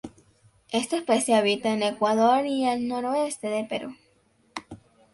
Esta especie habita en Ecuador y el noreste de Perú.